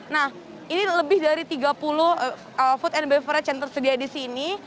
nah ini lebih dari tiga puluh food and beverage yang tersedia di sini